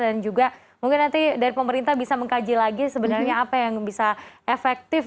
juga mungkin nanti dari pemerintah bisa mengkaji lagi sebenarnya apa yang bisa efektif